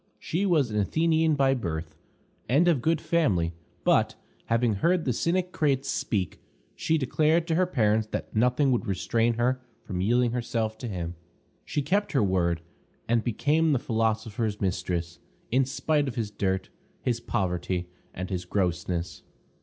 She was an Athenian by birth, and of good family, but, having heard the Cynic Crates speak, she declared to her parents that nothing would restrain her from yielding herself to him. She kept her word, and became the philosopher's mistress, in spite of his dirt, his poverty, and his grossness.